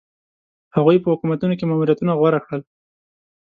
هغوی په حکومتونو کې ماموریتونه غوره کړل.